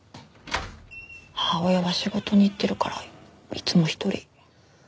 母親は仕事に行ってるからいつも一人。